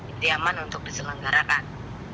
ini aman untuk diselenggarakan